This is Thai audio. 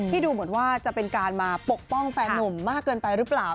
ดูเหมือนว่าจะเป็นการมาปกป้องแฟนนุ่มมากเกินไปหรือเปล่า